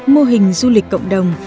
mô hình du lịch cộng đồng